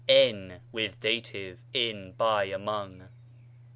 év (with dat.), in, by, among.